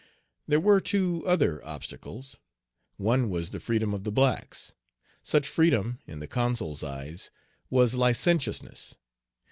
There were two other obstacles. One was the freedom of the blacks. Such freedom, in the Consul's eyes, was licentiousness.